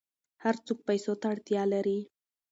هر څوک پیسو ته اړتیا لري.